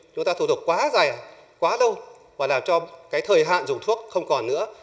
chúng ta thuộc quá dài quá lâu và làm cho cái thời hạn dùng thuốc không còn nữa